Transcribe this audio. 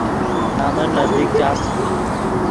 نمن نزدیک چاس